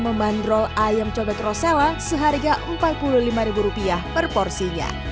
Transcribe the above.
memandrol ayam cobek rosella seharga rp empat puluh lima per porsinya